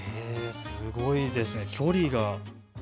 すごいですね、距離が。